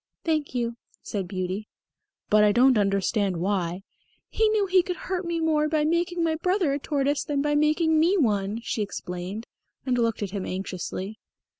"Thank you," said Beauty. "But I don't understand why " "He knew he could hurt me more by making my brother a tortoise than by making me one," she explained, and looked at him anxiously.